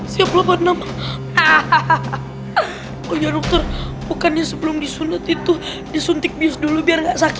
siap lho panam hahaha punya dokter bukannya sebelum disunat itu disuntik bis dulu biar enggak